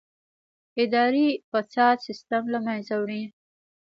اداري فساد سیستم له منځه وړي.